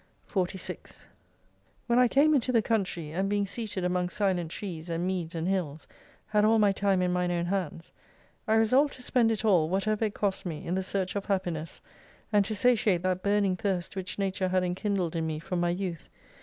46 When I came into the country, and being seated among silent trees, and meads and hills, had all my time in mine own hands, I resolved to spend it all, whatever it cost me, in the search of happiness, and to satiate that burning thirst which Nature had enkindled in me from my youth.